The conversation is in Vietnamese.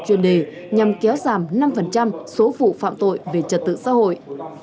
chuyên đề nhằm kéo giảm năm số vụ phạm tội về trật tự xã hội